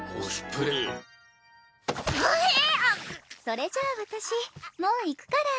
それじゃ私もう行くから。